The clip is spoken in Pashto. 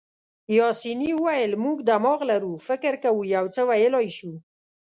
پاسیني وویل: موږ دماغ لرو، فکر کوو، یو څه ویلای شو.